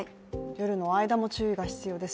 夜の間も注意が必要です。